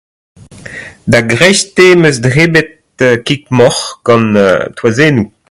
Da greisteiz 'm eus debret kig-moc'h gant toazennoù